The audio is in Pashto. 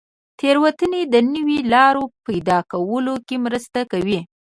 تېروتنې د نویو لارو په پیدا کولو کې مرسته کوي.